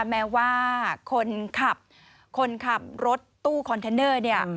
แม้ว่าคนขับรถตู้คอนเทนเนอร์